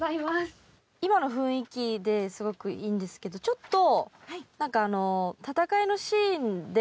今の雰囲気ですごくいいんですけどちょっと。